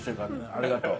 ありがとう。